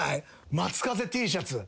松風Ｔシャツ。